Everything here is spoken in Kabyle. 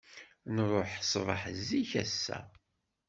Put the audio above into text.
Nṛuḥ ssbeḥ zik ass-a.